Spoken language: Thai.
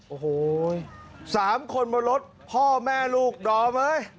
โอ้โห๓คนบนรถพ่อแม่ลูกดอมเฮ้ย